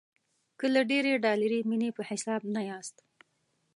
که له ډېرې ډالري مینې په حساب نه یاست.